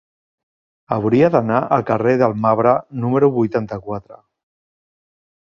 Hauria d'anar al carrer del Marbre número vuitanta-quatre.